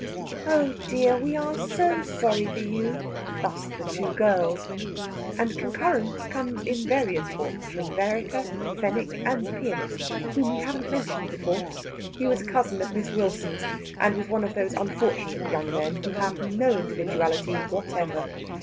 "Oh dear! we are so sorry for you!" Thus the two girls. And concurrence comes in various forms from Vereker, Fenwick, and the pianist, whom we haven't mentioned before. He was a cousin of Miss Wilson's, and was one of those unfortunate young men who have no individuality whatever.